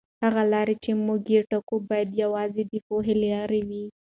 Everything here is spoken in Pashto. هغه لاره چې موږ یې ټاکو باید یوازې د پوهې لاره وي.